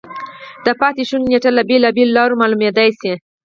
د پاتې شونو نېټه له بېلابېلو لارو معلومېدای شي.